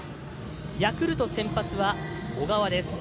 ヤクルト先発は小川です。